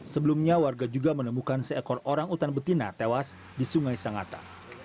sebelumnya warga juga menemukan seekor orang utan betina tewas di sungai sangata